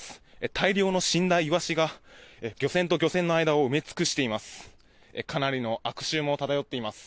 大量の死んだイワシが漁船と漁船の間を埋め尽くしています。